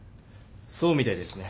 そうみたいですね。